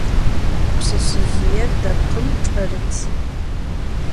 Pşseşsezjıêr depkhım ç'erıt.